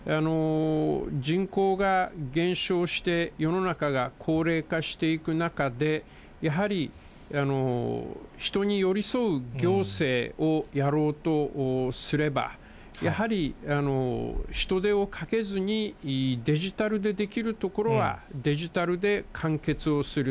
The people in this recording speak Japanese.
人口が減少して、世の中が高齢化していく中で、やはり人に寄り添う行政をやろうとすれば、やはり人手をかけずにデジタルでできるところはデジタルで完結をする。